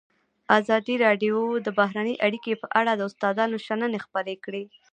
ازادي راډیو د بهرنۍ اړیکې په اړه د استادانو شننې خپرې کړي.